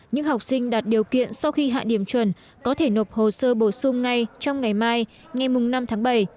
những học sinh đạt điều kiện sau khi hạ điểm chuẩn có thể nộp hồ sơ bổ sung ngay trong ngày mai ngày năm tháng bảy